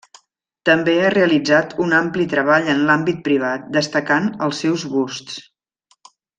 També ha realitzat un ampli treball en l'àmbit privat, destacant els seus busts.